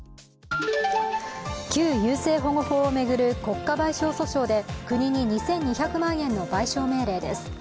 旧優生保護法を巡る国家賠償訴訟で国に２２００万円の賠償命令です。